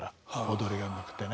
踊りがうまくてね。